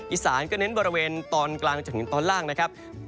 อีสานก็เน้นบริเวณตอนกลางจนถึงตอนล่างนะครับ